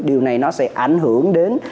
điều này nó sẽ ảnh hưởng đến